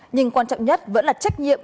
nhưng quan trọng nhất vẫn là trách nhiệm